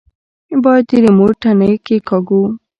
بايد د ريموټ تڼۍ کښېکاږو.